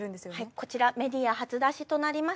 こちらメディア初出しとなります